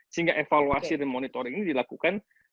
sehingga evaluasi dan monitoring ini dilakukan